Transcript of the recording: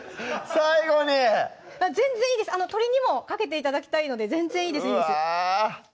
最後に全然いいです鶏にもかけて頂きたいので全然いいですうわ